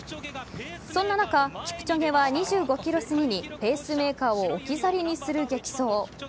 そんな中キプチョゲは２５ｋｍすぎにペースメーカーを置き去りにする激走。